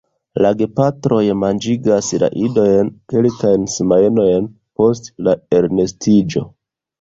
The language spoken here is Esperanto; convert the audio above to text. La gepatroj manĝigas la idojn kelkajn semajnojn post la elnestiĝo.